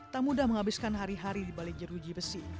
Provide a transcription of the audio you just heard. tak mudah menghabiskan hari hari di balai jeruji besi